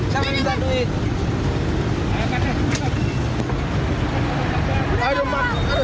jangan lupa jangan lupa